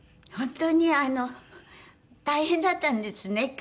本当にあの大変だったんですね